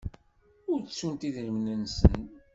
Ur ttunt idrimen-nsen.